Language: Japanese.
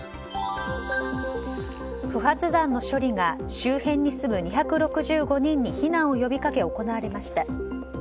不発弾の処理が周辺に住む２６５人に避難を呼びかけ行われました。